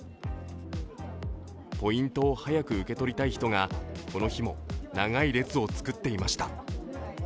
ポイントを早く受け取りたい人がこの日も長い列を作っていました。